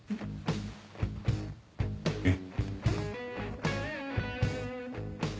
えっ。